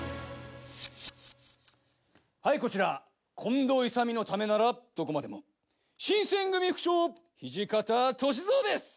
はい、こちら近藤勇のためならどこまでも新選組副長、土方歳三です。